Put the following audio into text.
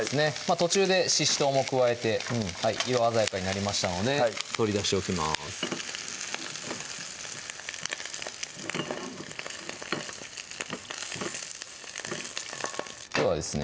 途中でししとうも加えて色鮮やかになりましたので取り出しておきますではですね